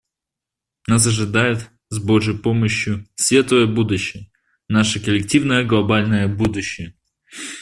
Нас ожидает, с Божьей помощью, светлое будущее — наше коллективное глобальное будущее.